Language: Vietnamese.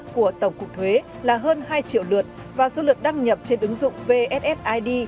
của tổng cục thuế là hơn hai triệu lượt và số lượt đăng nhập trên ứng dụng vssid